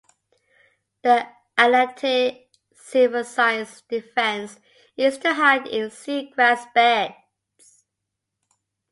The Atlantic silverside's defense is to hide in seagrass beds.